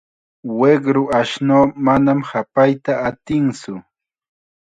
Wiqru ashnuu manam hapayta atintsu.